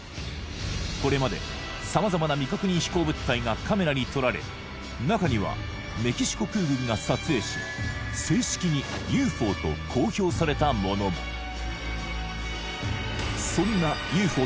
これまで様々な未確認飛行物体がカメラに撮られ中にはメキシコ空軍が撮影し正式にＵＦＯと公表されたものもそんなＵＦＯ